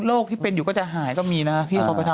ที่เป็นอยู่ก็จะหายก็มีนะที่เขาไปทำ